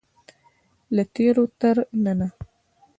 له تیرو تر ننه.